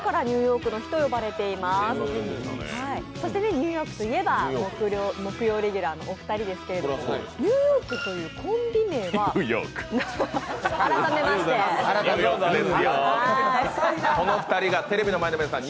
ニューヨークといえば、木曜レギュラーのお二人ですけれども、ニューヨークというコンビ名はこの２人が、ＴＢＳの前の皆さん